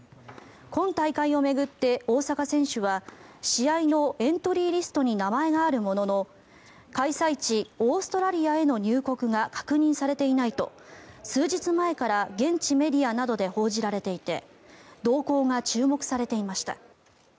今大会を巡って、大坂選手は試合のエントリーリストに名前があるものの開催地オーストラリアへの入国が確認されていないと数日前から現地メディアなどで報じられていて動向が注目されていました。